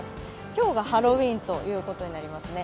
今日がハロウィーンということになりますね。